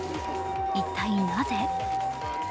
一体なぜ？